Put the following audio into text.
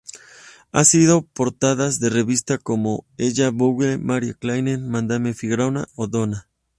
Ha sido portadas de revistas como Elle, Vogue, Marie Claire, Madame Figaro o Donna.